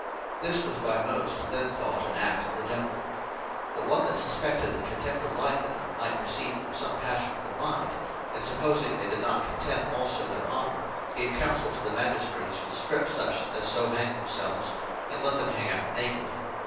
This was by most then thought an act of the Divel. But one that suspected, that contempt of life in them, might proceed from some Passion of the mind, and supposing they did not contemne also their honour, gave counsell to the Magistrates, to strip such as so hang'd themselves, and let them hang out naked.